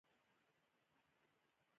میلمستیا زموږ د کلتور یوه لویه برخه ده.